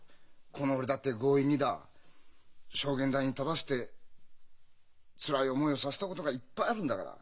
この俺だって強引にだ証言台に立たせてつらい思いをさせたことがいっぱいあるんだから。